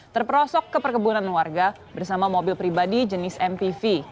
terperosok ke perkebunan warga bersama mobil pribadi jenis mpv